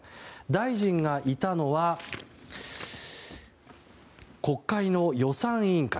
大臣がいたのは国会の予算委員会。